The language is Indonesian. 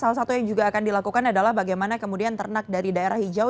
salah satu yang juga akan dilakukan adalah bagaimana kemudian ternak dari daerah hijau